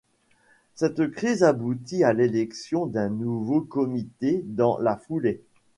Cette crise aboutit à l'élection d'un nouveau comité dans la foulée.